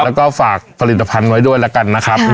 แล้วก็ฝากผลิตภัณฑ์ไว้ด้วยแล้วกันนะครับ